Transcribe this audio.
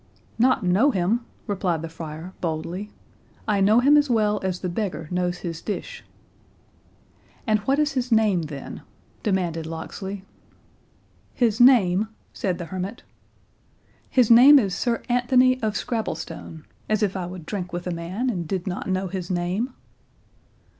"Not know him!" replied the friar, boldly, "I know him as well as the beggar knows his dish." "And what is his name, then?" demanded Locksley. "His name," said the hermit—"his name is Sir Anthony of Scrabelstone—as if I would drink with a man, and did not know his name!"